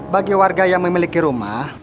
bagi warga yang memiliki rumah